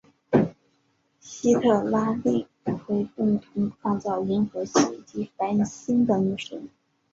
西特拉利奎共同创造银河系及繁星的女神。